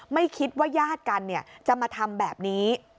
ไม่คิดว่าญาติกันจะมาทำแบบนี้